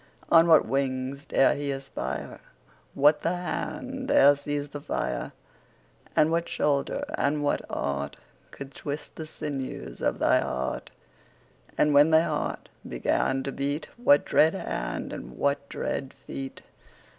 On what wings dare he aspire? What the hand dare seize the fire? And what shoulder and what art Could twist the sinews of thy heart? 10 And when thy heart began to beat, What dread hand and what dread feet?